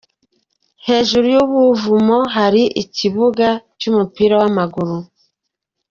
Hejuru y'ubuvumo hari ikibuga cy'umupira w'amaguru.